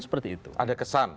seperti itu ada kesan